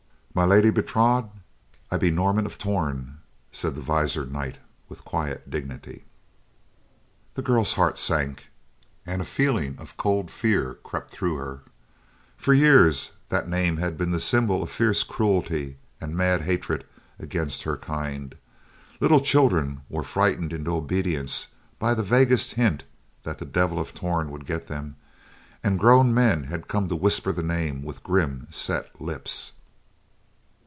"My Lady Bertrade, I be Norman of Torn," said the visored knight with quiet dignity. The girl's heart sank, and a feeling of cold fear crept through her. For years that name had been the symbol of fierce cruelty, and mad hatred against her kind. Little children were frightened into obedience by the vaguest hint that the Devil of Torn would get them, and grown men had come to whisper the name with grim, set lips.